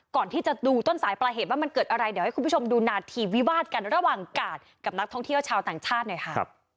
ก่อนที่จะดูต้นสายปลายเหตุว่ามันเกิดอะไรเดี๋ยวให้คุณผู้ชมดูนาทีวิวาดกันระหว่างกาดกับนักท่องเที่ยวชาวต่างชาติหน่อยค่ะ